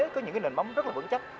có những cái nền bóng rất là vững chắc